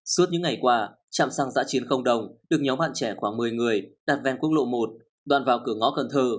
suốt những ngày qua trạm xăng giã chiến không đồng được nhóm bạn trẻ khoảng một mươi người đặt ven quốc lộ một đoạn vào cửa ngõ cần thơ